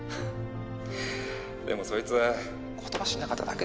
でもそいつ言葉知んなかっただけでさ。